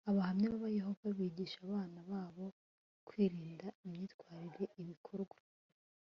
abahamya ba yehova bigisha abana babo kwirinda imyitwarire ibikorwa